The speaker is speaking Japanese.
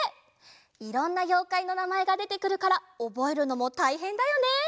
いろんなようかいのなまえがでてくるからおぼえるのもたいへんだよね。